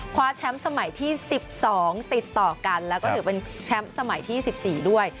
คว้าแชมป์สมัยที่๑๒ติดต่อกันแล้วก็ถือเป็นแชมป์สมัยที่๑๔ด้วย